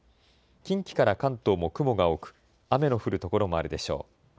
近畿から関東も雲が多く雨の降る所もあるでしょう。